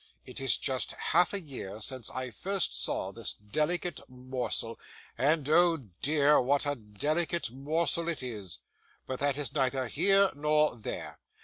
It is just half a year since I first saw this delicate morsel, and, oh dear, what a delicate morsel it is! But that is neither here nor there.